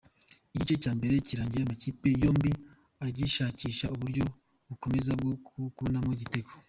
Igice cya mbere kirangiye amakipe yombi agishakisha uburyo bukomeye bwo kubonamo igitego.